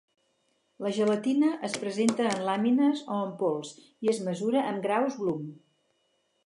La gelatina es presenta en làmines o en pols, i es mesura en graus Bloom.